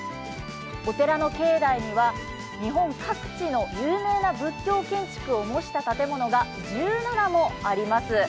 お寺の境内には日本各地の有名な仏教建築を模した建物が１７もあります。